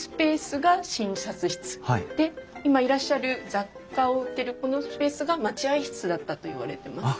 で今いらっしゃる雑貨を売ってるこのスペースが待合室だったといわれてます。